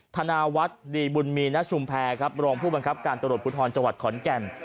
ธนาวัฒน์ดีบุญมีณชุมแพรครับรองผู้บังคับการตรวจภูทรจังหวัดขอนแก่น